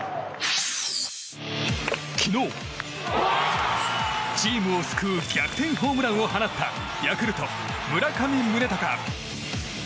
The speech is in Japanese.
昨日、チームを救う逆転ホームランを放ったヤクルト、村上宗隆。